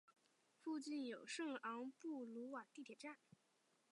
附近有圣昂布鲁瓦地铁站。